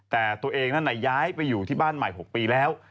แต่ตัวเองนั้นย้ายไปอยู่ที่บ้านใหม่๖ปีแล้ว